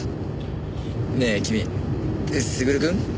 ねえ君優くん？